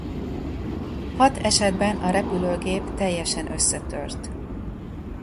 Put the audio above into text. Hat esetben a repülőgép teljesen összetört.